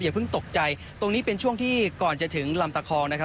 เพิ่งตกใจตรงนี้เป็นช่วงที่ก่อนจะถึงลำตะคองนะครับ